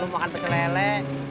lu mau makan pecel lele